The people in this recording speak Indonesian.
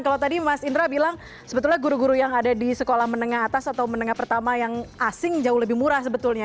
kalau tadi mas indra bilang sebetulnya guru guru yang ada di sekolah menengah atas atau menengah pertama yang asing jauh lebih murah sebetulnya